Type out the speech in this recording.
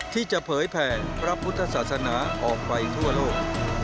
ที่จะเผยแผ่พระพุทธศาสนาออกไปทั่วโลก